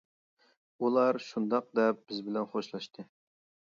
ئۇلار شۇنداق دەپ بىز بىلەن خوشلاشتى.